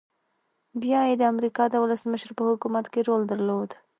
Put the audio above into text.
بيا يې د امريکا د ولسمشر په حکومت کې رول درلود.